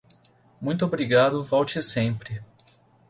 Muito obrigado volte sempre.